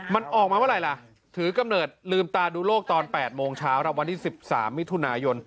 มันออกมาเมื่อไหร่ล่ะถือกำเนิดลืมตาดูโลกตอน๘โมงเช้ารับวันที่๑๓มิถุนายน